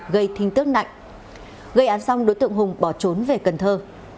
gây án xong đối tượng hùng bỏ trốn về cần thơ